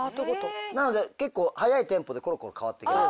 なので結構速いテンポでころころ変わっていきます。